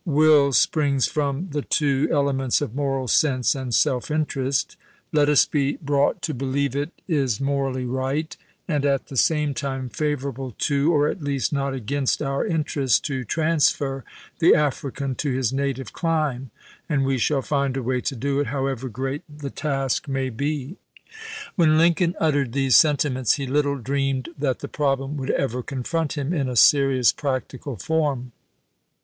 Will springs from the two ele ments of moral sense and self interest. Let us be brought to believe it is morally right, and at the same time favorable to, or at least not against, our '°' Lincoln, interest, to transfer the African to his native clime, springflew '' Speech, and we shall find a way to do it, however great "^^f,^*^' the task may be." When Lincoln uttered these sentiments, he little dreamed that the problem would ever confront him in a serious practical form.